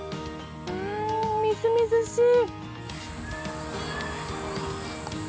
うーん、みずみずしい！